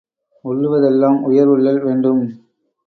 உள்ளுவதெல்லாம் உயர்வுள்ளல் வேண்டும்